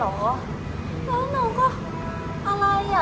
แล้วหนูก็อะไรอ่ะ